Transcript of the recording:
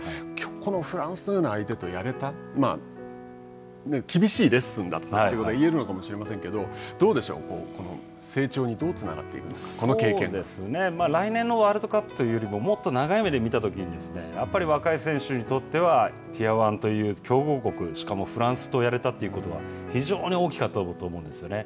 このフランスのような相手とやれた厳しいレッスンだったということが言えるのかもしれませんけど、どうでしょうか、成長にどうつな来年のワールドカップというよりも、もっと長い目で見たときに、やっぱり若い選手にとっては、ティアワンという強豪国、しかもフランスとやれたということは非常に大きかったと思うんですよね。